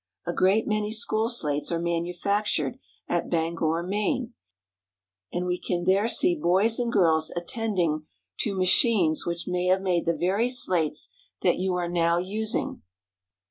A great many school slates are manufactured at Bangor, Maine, and we can there see boys and girls attending to machines which may have made the very slates that you are now using.